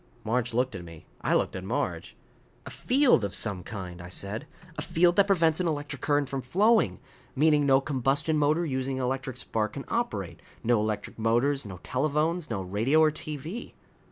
Marge looked at me. I looked at Marge. "A field of some kind," I said. "A field that prevents an electric current from flowing. Meaning no combustion motor using an electric spark can operate. No electric motors. No telephones. No radio or TV."